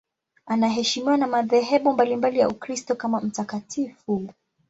Anaheshimiwa na madhehebu mbalimbali ya Ukristo kama mtakatifu.